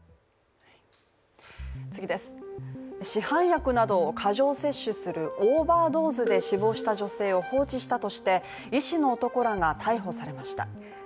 市販薬などを過剰摂取するオーバードーズで死亡した女性を放置したとして医師の男らが逮捕されました。